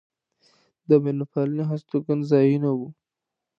د مېلمه پالنې هستوګن ځایونه و.